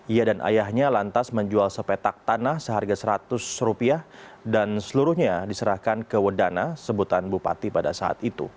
ia dan ayahnya lantas menjual sepetak tanah seharga seratus rupiah dan seluruhnya diserahkan ke wedana sebutan bupati pada saat itu